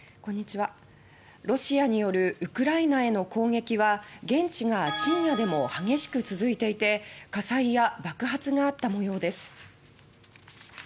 ロシアによるウクライナへの攻撃は現地が深夜でも激しく続いていて火災や爆発があった模様です。